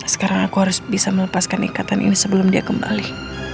sekarang aku harus bisa melepaskan ikatan ini sebelum dia kembali